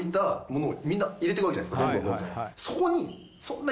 みんな入れてるわけじゃないですか。